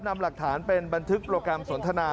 นำหลักฐานเป็นบันทึกโปรแกรมสนทนา